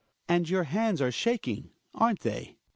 And your hands are shaking. Aren't they?